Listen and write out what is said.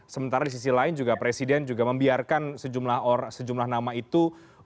sementara di sisi lain juga presiden juga membiarkan sejumlah nama itu